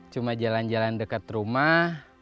cuma jalan jalan dekat rumah